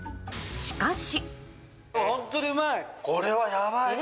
しかし。